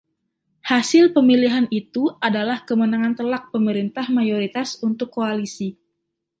Hasil pemilihan itu adalah kemenangan telak pemerintah mayoritas untuk koalisi.